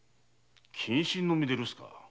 謹慎の身で留守か。